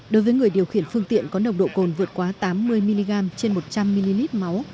đối với người điều khiển phương tiện có nồng độ cồn vượt quá tám mươi mg trên một trăm linh ml máu